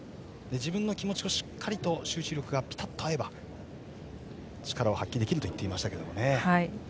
自分の気持ちにしっかりと集中力がピタッと合えば力が発揮できると言っていましたね。